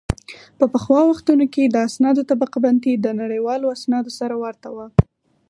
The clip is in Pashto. په پخوا وختونو کې د اسنادو طبقه بندي د نړیوالو اسنادو سره ورته وه